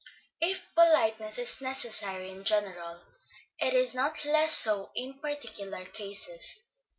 If politeness is necessary in general, it is not less so in particular cases.